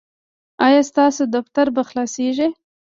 ایا ستاسو دفتر به خلاصیږي؟